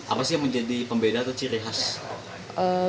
apa sih yang menjadi pembeda atau ciri khas